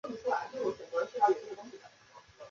位于东京都品川区北部。